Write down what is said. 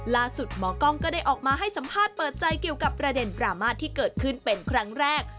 หมอกล้องก็ได้ออกมาให้สัมภาษณ์เปิดใจเกี่ยวกับประเด็นดราม่าที่เกิดขึ้นเป็นครั้งแรก